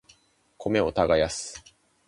米を耕す